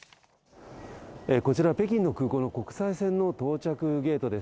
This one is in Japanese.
こちら北京の空港の国際線の到着ゲートです。